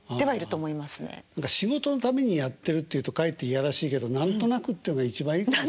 仕事のためにやってるっていうとかえって嫌らしいけど何となくっていうのが一番いいかも。